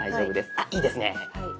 あっいいですね！